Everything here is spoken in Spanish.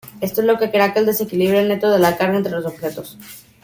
Esto es lo que crea el desequilibrio neto de la carga entre los objetos.